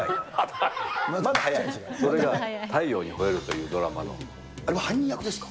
太陽にほえろ！というドラマあれ犯人役ですか？